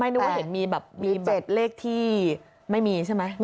ไม่นึกว่าเห็นมีแบบเลขที่ไม่มีใช่ไหม